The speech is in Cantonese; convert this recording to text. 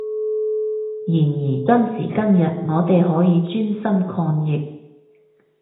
然而今時今日我哋可以專心抗疫